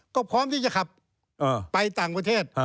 ก็พร้อมที่จะขับไปต่างประเทศ